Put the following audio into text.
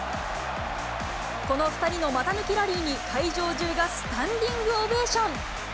この２人の股抜きラリーに、会場中がスタンディングオベーション。